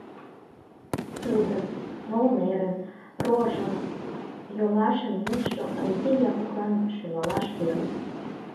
Тудын, нолнерын, рожын йолашын мутшо Ондри Япыклан шӱвалаш веле.